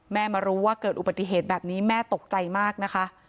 มารู้ว่าเกิดอุบัติเหตุแบบนี้แม่ตกใจมากนะคะ